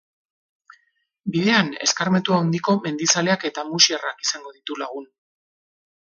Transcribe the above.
Bidean, eskarmentu handiko mendizaleak eta musherrak izango ditu lagun.